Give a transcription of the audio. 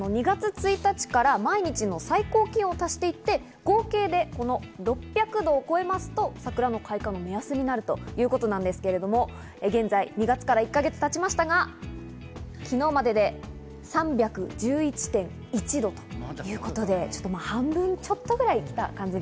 ２月１日から毎日の最高気温を足していって、合計でこの６００度を超えますと桜の開花の目安になるということなんですけれども、現在２月から１か月経ちましたが、昨日までで３１１．１度と。